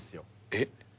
えっ？